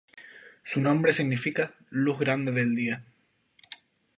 Su nombre significa ""Luz Grande del Día"".